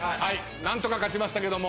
何とか勝ちましたけども。